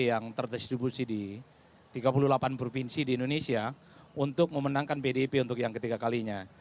yang terdistribusi di tiga puluh delapan provinsi di indonesia untuk memenangkan pdip untuk yang ketiga kalinya